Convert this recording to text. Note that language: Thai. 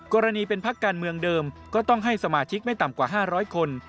กรณีเป็นพักการเมืองเดิมก็ต้องให้สมาชิกไม่ต่ำกว่า๕๐๐คน